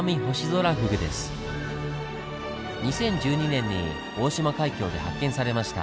２０１２年に大島海峡で発見されました。